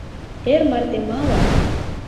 Эр марте мале!